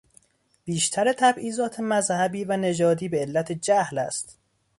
بیشتر تبعیضات مذهبی و نژادی به علت جهل است.